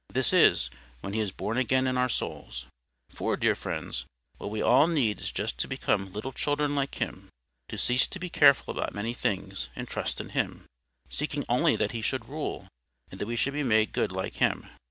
This is, when He is born again in our souls. For, dear friends, what we all need is just to become little children like Him; to cease to be careful about many things, and trust in Him, seeking only that He should rule, and that we should be made good like Him.